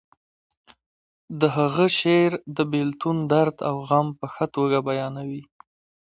د هغه شعر د بیلتون درد او غم په ښه توګه بیانوي